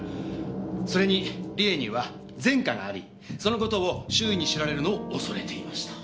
それに理恵には前科がありその事を周囲に知られるのを恐れていました。